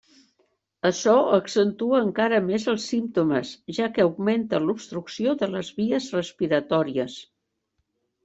Açò accentua encara més els símptomes, ja que augmenta l'obstrucció de les vies respiratòries.